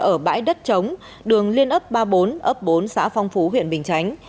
ở bãi đất trống đường liên ấp ba mươi bốn ấp bốn xã phong phú huyện bình chánh